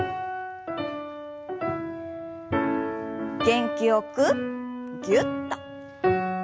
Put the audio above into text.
元気よくぎゅっと。